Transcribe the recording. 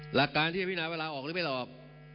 หลักการที่จะพินาเวลาออกหรือไม่ลาออก